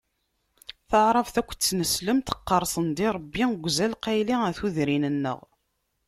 Taɛrabt akked tineslemt qqeṛsen-d i Ṛebbu deg uzal qayli ɣer tudrin-nneɣ.